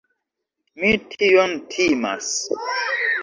Mi tion timas.